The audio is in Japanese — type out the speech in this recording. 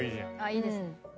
いいですね。